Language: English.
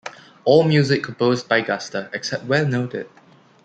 All music composed by Guster, except where noted.